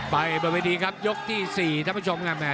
ไปบริเวณดีครับยกที่๔ท่านผู้ชมนะครับ